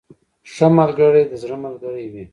• ښه ملګری د زړه ملګری وي.